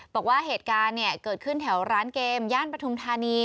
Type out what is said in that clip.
บอกว่าเหตุการณ์เกิดขึ้นแถวร้านเกมย่านปฐุมธานี